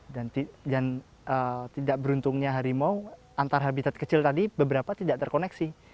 dan tidak beruntungnya harimau antara habitat kecil tadi beberapa tidak terkoneksi